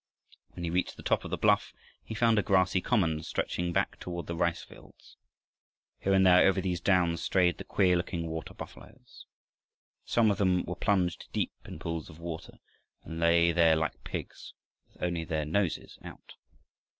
When he reached the top of the bluff he found a grassy common stretching back toward the rice fields. Here and there over these downs strayed the queer looking water buffaloes. Some of them were plunged deep in pools of water, and lay there like pigs with only their noses out.